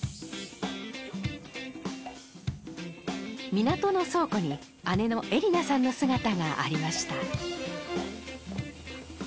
港の倉庫に姉のえりなさんの姿がありました